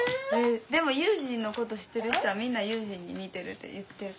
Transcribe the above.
でも悠仁のこと知ってる人はみんな悠仁に似てるって言ってる。